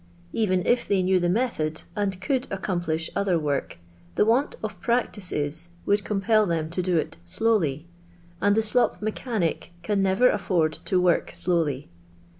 Even if they knew the method, and could accomplish other work, the want of practice would compel them to do it slowly, and the slop mechanic can never alford to work slowly.